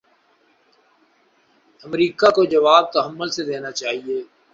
امریکہ کو جواب تحمل سے دینا چاہیے۔